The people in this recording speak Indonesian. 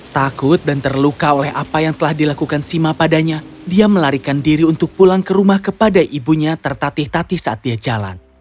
takut dan terluka oleh apa yang telah dilakukan sima padanya dia melarikan diri untuk pulang ke rumah kepada ibunya tertatih tatih saat dia jalan